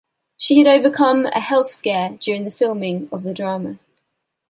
She had overcome a health scare during the filming of the drama.